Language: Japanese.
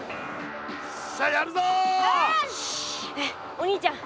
お兄ちゃん